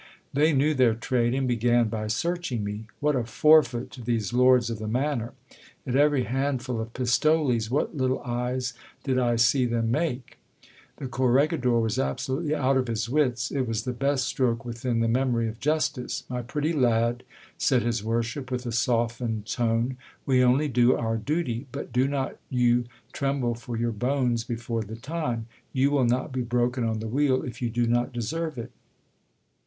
They knew their trade, and began by searching me. What a forfeit to these lords of the manor ! At every handful of pistoles, what little eyes did I see them make ! The corregidor was absolutely out of his wits ! It was the best stroke within the memory of justice ! My pretty lad, said his Worship with a softened tone, we only do our duty, but do not you tremble for your bones before the time : you will not be broken on the wheel if you do not deserve it.